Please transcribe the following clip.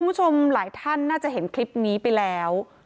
คุณผู้ชมหลายท่านน่าจะเห็นคลิปนี้ไปแล้ว